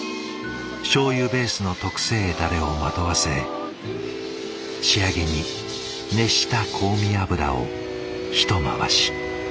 しょうゆベースの特製ダレをまとわせ仕上げに熱した香味油を一回し。